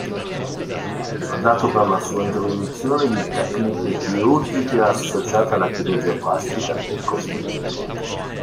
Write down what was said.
Ricordato per la sua introduzione di tecniche chirurgiche associate alla chirurgia plastica e cosmetica.